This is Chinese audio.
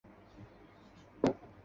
出生于千叶县。